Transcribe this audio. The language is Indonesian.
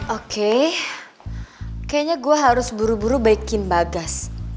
oke kayaknya gue harus buru buru baikin bagas